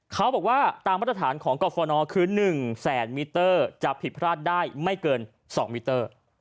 เขาบอกว่าตามมาตรฐานของกรฟนคือ๑แสนมิเตอร์จะผิดพลาดได้ไม่เกิน๒มิเตอร์